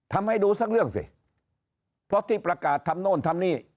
ทำให้ดูสักเรื่องสิเพราะที่ประกาศทำโน่นทำนี่